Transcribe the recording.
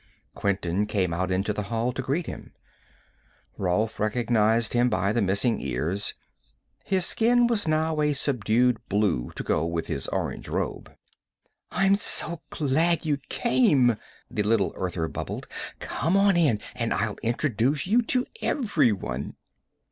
Quinton came out into the hall to greet him. Rolf recognized him by the missing ears; his skin was now a subdued blue to go with his orange robe. "I'm so glad you came," the little Earther bubbled. "Come on in and I'll introduce you to everyone."